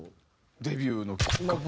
デビューのきっかけ。